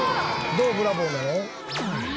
どうブラボーなの？